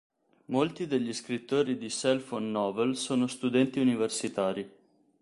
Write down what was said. Molti degli scrittori di "cell phone novel" sono studenti universitari.